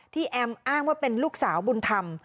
แอมอ้างว่าเป็นลูกสาวบุญธรรม